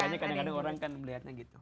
makanya kadang kadang orang kan melihatnya gitu